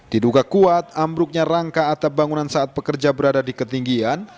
diduga kuat ambruknya rangka atap bangunan saat pekerja berada di ketinggian